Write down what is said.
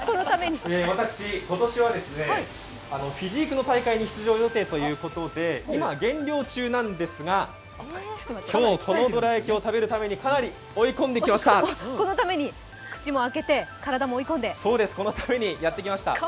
私、今年はフィジークの大会に出場予定ということで今、減量中なんですが、今日はこのどら焼きを食べるためにかなり追いこんできました、このためにやってきました。